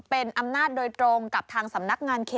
เป็นอำนาจโดยตรงกับทางสำนักงานเขต